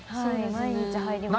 毎日入りますね。